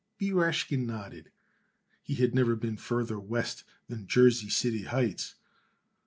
B. Rashkin nodded. He had never been farther West than Jersey City Heights.